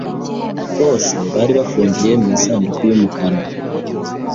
Bose bari bafungiye mu isanduku y'umukara.